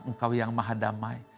engkau yang maha damai